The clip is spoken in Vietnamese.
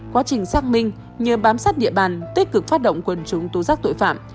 quá trình xác minh nhờ bám sát địa bàn tích cực phát động quần chúng tố giác tội phạm